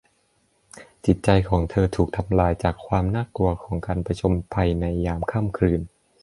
จิตใจของเธอถูกทำลายจากความน่ากลัวของการผจญภัยในยามค่ำคืน